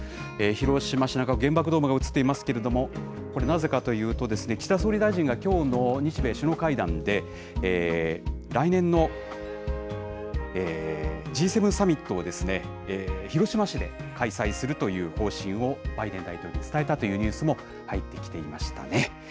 広島市中区、原爆ドーム映っていますけれども、これ、なぜかというとですね、岸田総理大臣がきょうの日米首脳会談で、来年のＧ７サミットを広島市で開催するという方針をバイデン大統領に伝えたというニュースも、入ってきていましたね。